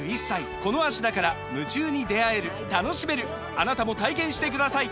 あなたも体験してください！